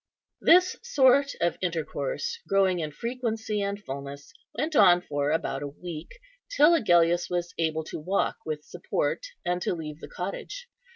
This sort of intercourse, growing in frequency and fulness, went on for about a week, till Agellius was able to walk with support, and to leave the cottage.